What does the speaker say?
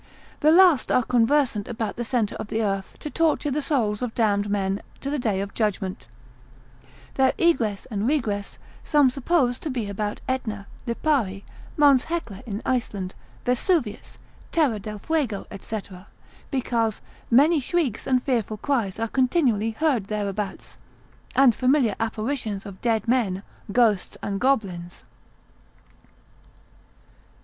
The last are conversant about the centre of the earth to torture the souls of damned men to the day of judgment; their egress and regress some suppose to be about Etna, Lipari, Mons Hecla in Iceland, Vesuvius, Terra del Fuego, &c., because many shrieks and fearful cries are continually heard thereabouts, and familiar apparitions of dead men, ghosts and goblins.